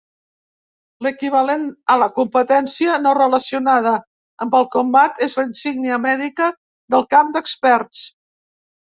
L'equivalent a la competència no relacionada amb el combat és la insígnia mèdica del camp d'experts.